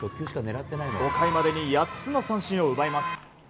５回までに８つの三振を奪います。